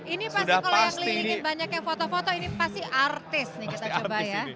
ini pasti kalau yang kelilingin banyak yang foto foto ini pasti artis nih kita coba ya